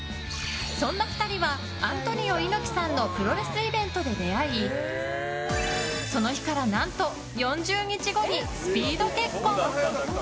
そんな２人はアントニオ猪木さんのプロレスイベントで出会いその日から何と４０日後にスピード結婚！